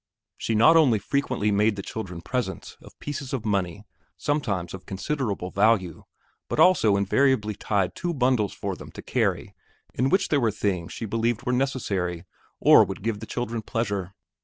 She not only frequently made the children presents of pieces of money, sometimes of considerable value, but also invariably tied two bundles for them to carry in which there were things she believed were necessary or would give the children pleasure.